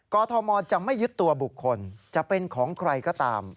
กรทมจะไม่ยึดตัวบุคคลจะเป็นของใครก็ตาม